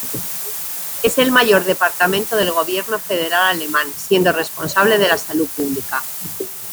Es el mayor departamento del Gobierno federal alemán, siendo responsable de la salud pública.